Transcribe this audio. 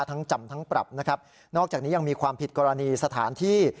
ทั้งจำทั้งปรับนะครับนอกจากนี้ยังมีความผิดกรณีสถานที่